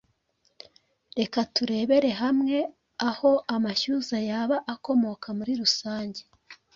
Reka turebere hamwe aho amashyuza yaba akomoka muri rusange.